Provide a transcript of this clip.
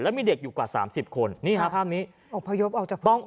มีเด็กอยู่กว่าสามสิบคนนี่ฮะภาพนี้อบพยพออกจากบ้าน